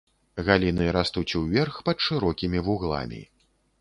Галіны растуць ўверх пад шырокімі вугламі.